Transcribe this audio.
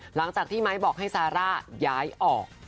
หลังจากที่ไมค์บอกให้ซาร่าย้ายออก